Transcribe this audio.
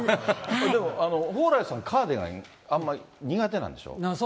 でも蓬莱さん、カーディガンあんまり苦手なんでしょう。